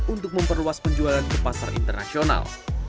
untuk memperluas penjualan ke pasar internasional